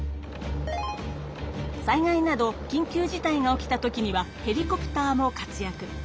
災害など緊急事態が起きた時にはヘリコプターも活やく。